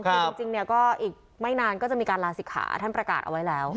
คือจริงเนี่ยก็อีกไม่นานก็จะมีการลาศิกขาท่านประกาศเอาไว้แล้ว